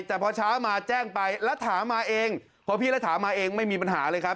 แต่พอเช้ามาแจ้งไปแล้วถามาเองพอพี่รัฐามาเองไม่มีปัญหาเลยครับ